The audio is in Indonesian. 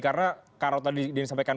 karena kalau tadi disampaikan